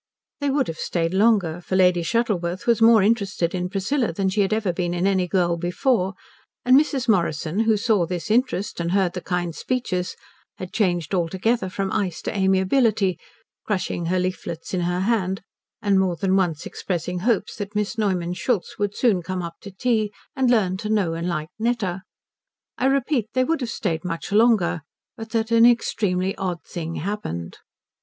They would have stayed longer, for Lady Shuttleworth was more interested in Priscilla than she had ever been in any girl before, and Mrs. Morrison, who saw this interest and heard the kind speeches, had changed altogether from ice to amiability, crushing her leaflets in her hand and more than once expressing hopes that Miss Neumann Schultz would soon come up to tea and learn to know and like Netta I repeat, they would have stayed much longer, but that an extremely odd thing happened.